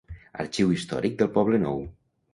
Arxiu Històric del Poblenou.